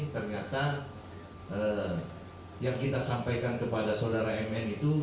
ternyata yang kita sampaikan kepada saudara mn itu